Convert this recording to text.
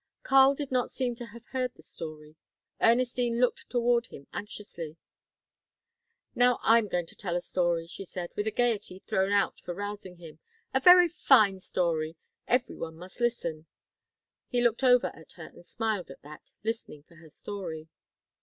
Karl did not seem to have heard the story. Ernestine looked toward him anxiously. "Now I'm going to tell a story," she said, with a gaiety thrown out for rousing him, "a very fine story; every one must listen." He looked over at her and smiled at that, listening for her story.